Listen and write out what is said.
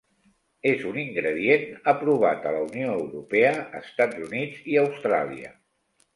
És un ingredient aprovat a la Unió Europea, Estats Units i Austràlia.